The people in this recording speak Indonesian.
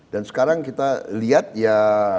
dan sekarang kita lihat ya